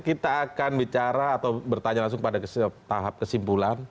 kita akan bicara atau bertanya langsung pada tahap kesimpulan